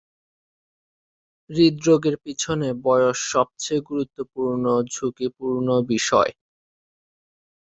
হৃদরোগের পিছনে বয়স সবচেয়ে গুরুত্বপূর্ণ ঝুঁকিপূর্ণ বিষয়।